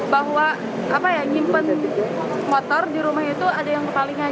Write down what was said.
bahwa apa ya nyimpen motor di rumah itu ada yang kepalingan